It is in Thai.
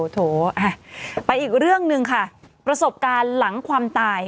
โถไปอีกเรื่องหนึ่งค่ะประสบการณ์หลังความตาย